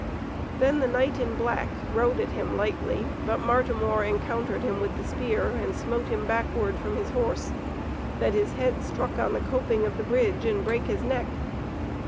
Then the knight in black rode at him lightly, but Martimor encountered him with the spear and smote him backward from his horse, that his head struck the coping of the bridge and brake his neck.